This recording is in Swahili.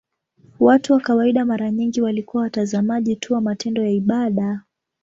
Watu wa kawaida mara nyingi walikuwa watazamaji tu wa matendo ya ibada.